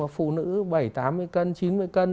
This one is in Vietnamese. phụ nữ bảy mươi tám mươi cân chín mươi cân